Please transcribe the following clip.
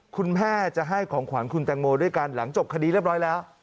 คุณแม่จะให้ของขวานคุณแตงโมด้วยกันหลังจบคดีเรียบร้อยแล้ว